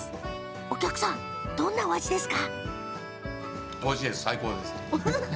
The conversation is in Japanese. お客さん、どんなお味ですか？